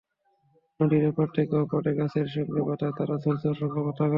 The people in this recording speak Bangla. নদীর এপাড় থেকে ওপাড়ে গাছের সঙ্গে বাঁধা তারে ঝুলছে অসংখ্য পতাকা।